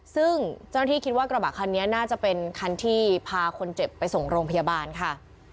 ซึ่งเจ้าหน้าที่คิดว่ากระบะคันนี้น่าจะเป็นคันที่พาคนเจ็บไปส่งโรงพยาบาลค่ะ